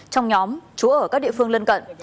trong nhóm trú ở các địa phương lân cận